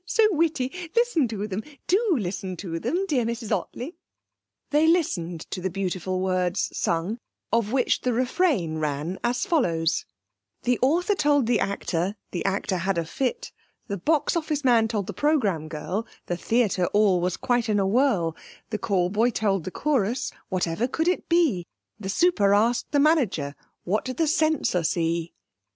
So witty. Listen to them do listen to them, dear Mrs Ottley.' They listened to the beautiful words sung, of which the refrain ran as follows: 'The Author told the Actor, (The Actor had a fit). The Box Office man told the Programme girl, The Theatre all was in quite a whirl. The call boy told the Chorus. (Whatever could it be?) The super asked the Manager, What did the Censor see?'